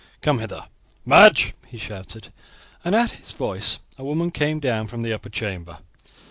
Come hither, Madge!" he shouted; and at his voice a woman came down from the upper chamber.